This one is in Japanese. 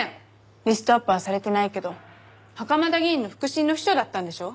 リストアップはされてないけど袴田議員の腹心の秘書だったんでしょ？